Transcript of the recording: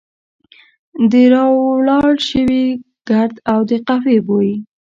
د را ولاړ شوي ګرد او د قهوې بوی.